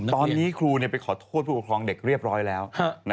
ตอนนี้ครูไปขอโทษผู้ปกครองเด็กเรียบร้อยแล้ว